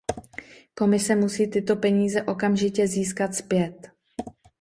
Komise musí tyto peníze okamžitě získat zpět.